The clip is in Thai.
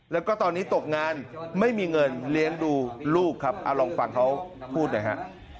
แล้วก็ตอนนี้ตกงานไม่มีเงินเลี้ยงดูลูกครับเอาลองฟังเขาพูดหน่อยฮะ